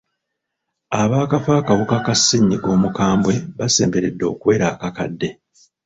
Abaakafa akawuka ka ssennyiga omukwambwe basemberedde okuwera akakadde.